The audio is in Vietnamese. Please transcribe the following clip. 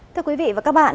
thưa quý vị và các bạn